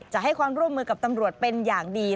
จะให้ความร่วมมือกับตำรวจเป็นอย่างดี